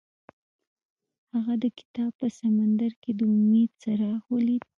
هغه د کتاب په سمندر کې د امید څراغ ولید.